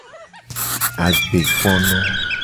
Agbekpono.